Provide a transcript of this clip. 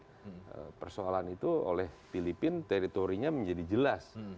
nah persoalan itu oleh filipina teritorinya menjadi jelas